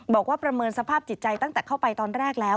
ประเมินสภาพจิตใจตั้งแต่เข้าไปตอนแรกแล้ว